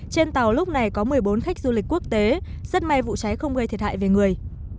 trên tàu lúc này có một mươi bốn khách du lịch quốc tế rất may vụ cháy không gây thiệt hại về người